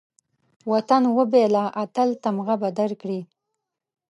وطن وبېله، اتل تمغه به درکړي